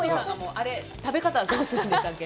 あれ食べ方どうするんでしたっけ？